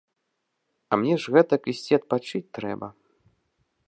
А мне ж гэтак ісці адпачыць трэба.